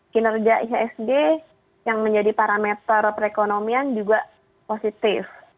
kinerja ihsg yang menjadi parameter perekonomian juga positif